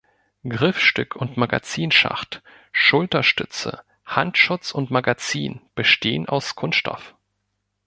Griffstück und Magazinschacht, Schulterstütze, Handschutz und Magazin bestehen aus Kunststoff.